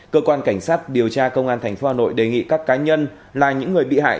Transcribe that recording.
cơ quan cảnh sát điều tra công an tp hà nội đề nghị các cá nhân là những người bị hại